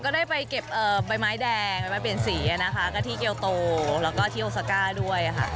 ได้ไปเก็บใบไม้แดงไปเปลี่ยนสีนะคะกะทิเกียวโตแล้วก็ที่โอซาก้าด้วยค่ะ